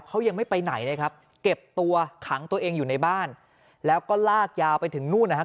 เขายังไม่ไปไหนเลยครับเก็บตัวขังตัวเองอยู่ในบ้านแล้วก็ลากยาวไปถึงนู่นนะครับ